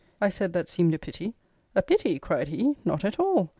I said, that seemed a pity. "A pity?" cried he; "not at all!